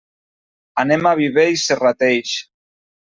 Anem a Viver i Serrateix.